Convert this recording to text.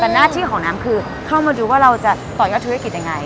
แต่หน้าที่ของน้ำคือเข้ามาดูว่าเราจะต่อยอดธุรกิจยังไง